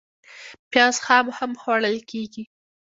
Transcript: پیاز خام هم خوړل کېږي